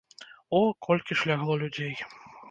О, колькі ж лягло людзей!